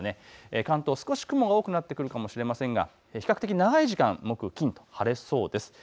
関東、少し雲が多くなってくるかもしれませんが比較的、長い時間、木金と晴れそうです。